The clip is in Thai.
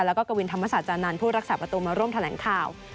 แล้วก็กวินธรรมศาจานันทร์ผู้รักษาประตูมาร่วมแถลงข่าว